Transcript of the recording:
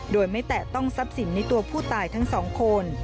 โดยไม่แตะต้องทรัพย์สินในตัวผู้ตายทั้งสองคน